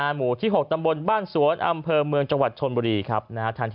หมู่ที่๖ตำบลบ้านสวนอำเภอเมืองจังหวัดชนบุรีครับนะฮะ